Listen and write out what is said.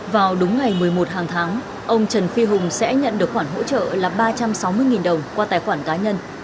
vào đúng ngày một mươi một hàng tháng ông trần phi hùng sẽ nhận được khoản hỗ trợ là ba trăm sáu mươi đồng qua tài khoản cá nhân